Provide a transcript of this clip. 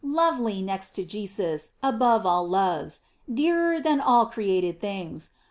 lovely, next to Jesus, above all loves! dearer than all created things!